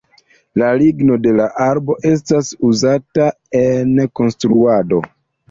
La ligno de la arbo estas uzata en konstruado.